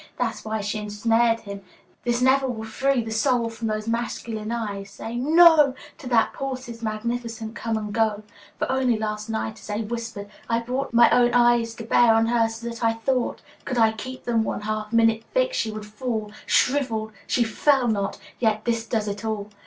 That's why she ensnared him: this never will free 30 The soul from those masculine eyes, say "No!" To that pulse's magnificent come and go. For only last night, as they whispered, I brought My own eyes to bear on her so that I thought Could I keep them one half minute fixed, she would fall Shrivelled; she fell not: yet this does it all!